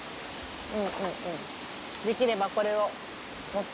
できればこれを持って。